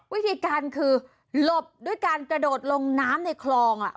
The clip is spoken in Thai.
วิธีการคือหลบด้วยการกระโดดลงน้ำในคลอง